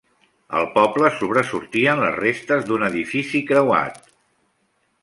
Al poble sobresortien les restes d'un edifici creuat.